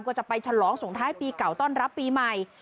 ก็จะไปฉลองส่งท้ายปีเก่าต้อนรับปีใหม่